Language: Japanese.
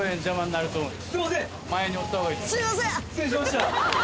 失礼しました！